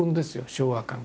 昭和感が。